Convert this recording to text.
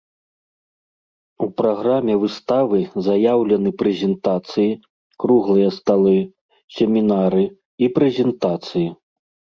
У праграме выставы заяўлены прэзентацыі, круглыя сталы, семінары і прэзентацыі.